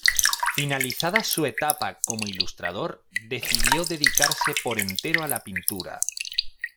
Finalizada su etapa como ilustrador decidió dedicarse por entero a la pintura.